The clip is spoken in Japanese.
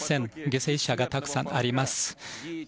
犠牲者がたくさんあります。